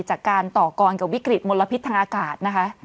จากการต่อกรกับวิกฤตมลพิษทางอากาศนะคะ